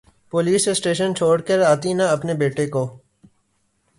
police station چھوڑ کر آتی نا اپنے بیٹے کو